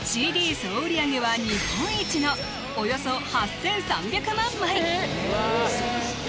総売り上げは日本一のおよそ８３００万枚！